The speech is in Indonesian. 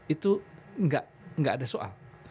itu tidak ada soal